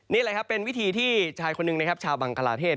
นี่แหละครับเป็นวิธีที่ชายคนหนึ่งนะครับชาวบังกลาเทศ